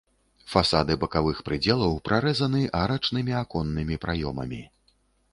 Фасады бакавых прыдзелаў прарэзаны арачнымі аконнымі праёмамі.